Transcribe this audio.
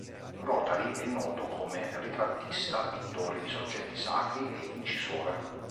Rotari è noto come ritrattista, pittore di soggetti sacri e incisore.